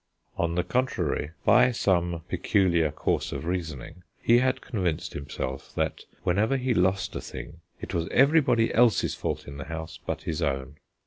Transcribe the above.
On the contrary, by some peculiar course of reasoning, he had convinced himself that whenever he lost a thing it was everybody else's fault in the house but his own.